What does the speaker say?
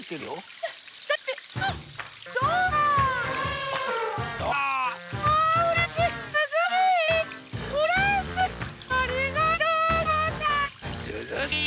うれしい！